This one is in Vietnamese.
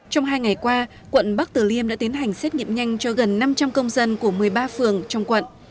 trong hai ngày qua quận bắc tử liêm đã tiến hành xét nghiệm nhanh cho gần năm trăm linh công dân của một mươi ba phường trong quận